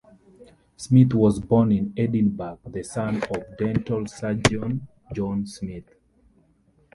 Smith was born in Edinburgh, the son of dental surgeon John Smith.